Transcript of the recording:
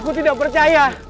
aku tidak percaya